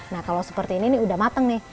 nah kalau seperti ini nih udah mateng nih